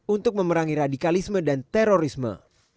untuk memerangi radikalisme dan terorisme